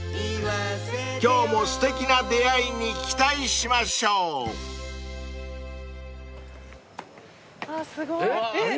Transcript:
［今日もすてきな出会いに期待しましょう］あっすごい。